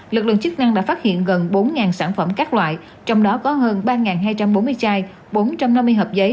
lực lượng chức năng đã phát hiện gần bốn sản phẩm các loại trong đó có hơn ba hai trăm bốn mươi chai bốn trăm năm mươi hộp giấy